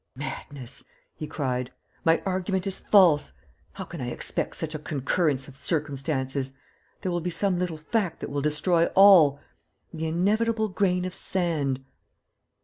"Madness!" he cried. "My argument is false. ... How can I expect such a concurrence of circumstances? There will be some little fact that will destroy all ... the inevitable grain of sand.